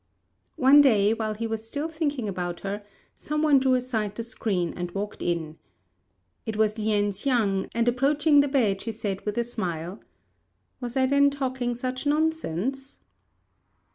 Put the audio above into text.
One day, while he was still thinking about her, some one drew aside the screen and walked in. It was Lien hsiang; and approaching the bed she said with a smile, "Was I then talking such nonsense?"